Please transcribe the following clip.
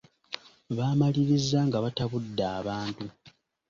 Baamaliriza nga batabudde abantu.